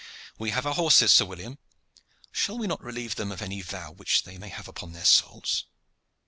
We have our horses, Sir William: shall we not relieve them of any vow which they may have upon their souls?"